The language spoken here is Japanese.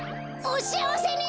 おしあわせに！